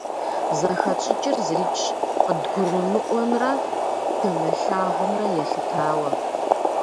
Зыхэтщӏыкӏыр зырикӏщ, къыдгурымыӏуэмрэ дымылъагъумрэ елъытауэ.